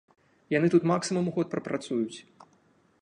Яны тут максімум год прапрацуюць.